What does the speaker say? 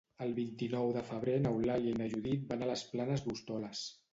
El vint-i-nou de febrer n'Eulàlia i na Judit van a les Planes d'Hostoles.